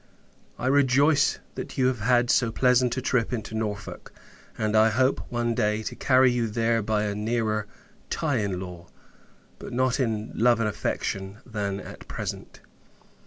I rejoice that you have had so pleasant a trip into Norfolk; and I hope, one day, to carry you there by a nearer tie in law, but not in love and affection, than at present.